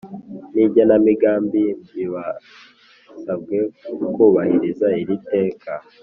N igenamigambibasabwe kubahiriza iri teka